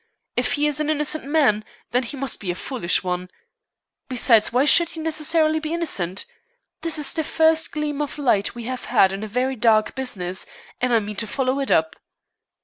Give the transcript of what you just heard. If he is an innocent man, then he must be a foolish one. Besides, why should he necessarily be innocent? This is the first gleam of light we have had in a very dark business, and I mean to follow it up."